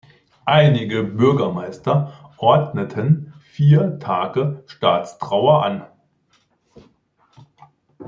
Einige Bürgermeister ordneten vier Tage Staatstrauer an.